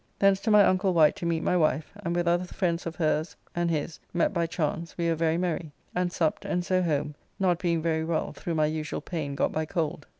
Thence to my uncle Wight to meet my wife, and with other friends of hers and his met by chance we were very merry, and supped, and so home, not being very well through my usual pain got by cold.